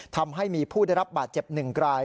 ทำให้มีผู้ได้รับบาดเจ็บ๑ราย